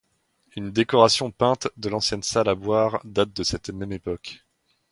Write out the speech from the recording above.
Une décoration peinte de l’ancienne salle à boire date de cette même époque.